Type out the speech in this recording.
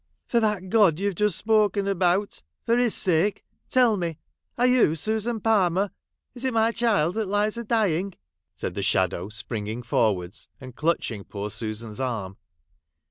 ' For that God you have just spoken about, — for His sake, — tell me are you Susan Palmer? Is it my child that lies a dying?' said the shadow, springing forwards, and clutching poor Susan's arm.